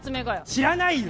知らないよ！